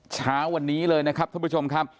เช้าวันนี้เลยนะครับท่านผู้ชมครับ